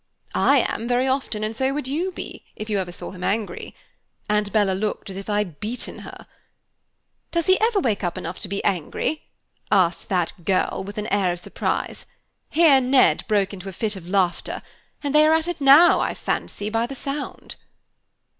"'I am, very often, and so would you be, if you ever saw him angry,' And Bella looked as if I'd beaten her. "'Does he ever wake up enough to be angry?' asked that girl, with an air of surprise. Here Ned broke into a fit of laughter, and they are at it now, I fancy, by the sound."